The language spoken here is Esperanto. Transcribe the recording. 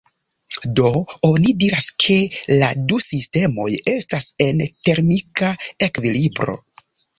Do oni diras ke la du sistemoj estas en termika ekvilibro.